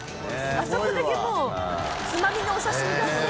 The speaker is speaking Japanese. あそこだけもうつまみのお刺し身だもんね。